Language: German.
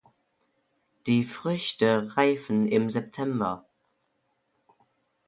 Die Früchte reifen im September.